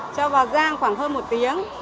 cho vào giang khoảng hơn một tiếng